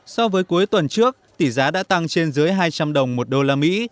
so với cuối tuần trước tỷ giá đã tăng trên dưới hai trăm linh đồng một đô la mỹ